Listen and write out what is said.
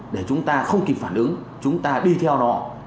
để chúng ta không kịp phản ứng chúng ta đi theo nó